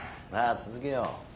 さあ続けよう。